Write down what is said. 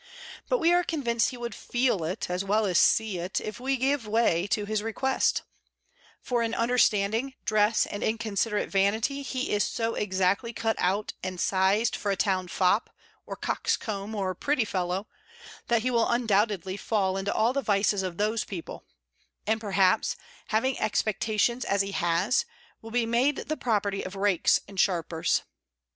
But we are convinced he would feel it, as well as see it, if we give way to his request: for in understanding, dress, and inconsiderate vanity, he is so exactly cut out and sized for a town fop, coxcomb, or pretty fellow, that he will undoubtedly fall into all the vices of those people; and, perhaps, having such expectations as he has, will be made the property of rakes and sharpers.